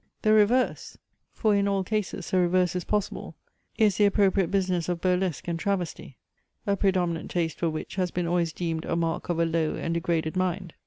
The reverse, for in all cases a reverse is possible, is the appropriate business of burlesque and travesty, a predominant taste for which has been always deemed a mark of a low and degraded mind.